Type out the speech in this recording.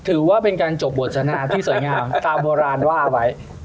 ถือว่าเป็นการจบบทสนาที่สวยงามตามโบราณว่าไว้